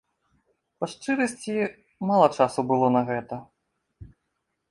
Па шчырасці, мала часу было на гэта.